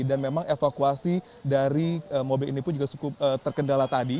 dan memang evakuasi dari mobil ini pun juga cukup terkendala tadi